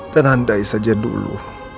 dan andai saja dulu